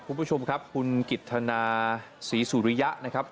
คุณผู้ชมครับคุณกิจธนาศรีสุริยะนะครับ